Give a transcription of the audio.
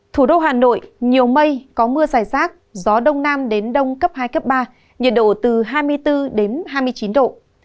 thủ đô hà nội nhiều mây có mưa dài rác gió đông nam đến đông cấp hai cấp ba nhiệt độ từ hai mươi bốn đến hai mươi chín độ